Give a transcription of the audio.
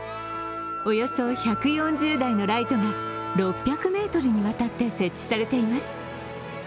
およそ１４０台のライトが、６００ｍにわたって設置されています。